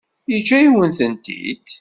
Yeǧǧa-yawen-tent-id?